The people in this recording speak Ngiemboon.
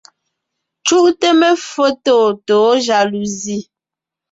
Cúʼte meffo tôtǒ jaluzi.